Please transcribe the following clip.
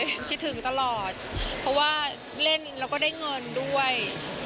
คิดถึงตลอดเพราะว่าเล่นแล้วก็ได้เงินด้วย